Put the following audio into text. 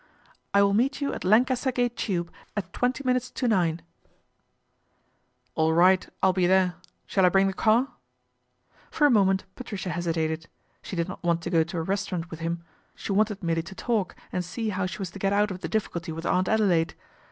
" I will meet ou at Lancaster Gate tube at twenty minutes to Line/ 90 PATRICIA BRENT, SPINSTER " All right, I'll be there. Shall I bring the car ? For a moment Patricia hesitated. She did no want to go to a restaurant with him, she wante merely to talk and see how she was to get ou of the difficulty with Aunt Adelaide.